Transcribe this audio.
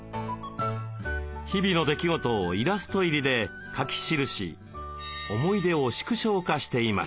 日々の出来事をイラスト入りで書き記し思い出を縮小化していました。